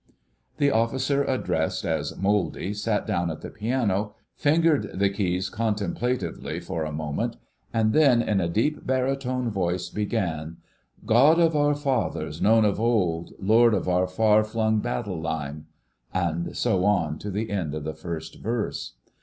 The officer addressed as "Mouldy" sat down at the piano, fingered the keys contemplatively for a moment, and then in a deep baritone voice began— "God of our fathers, known of old, Lord of our far flung battle line," and so on to the end of the first verse.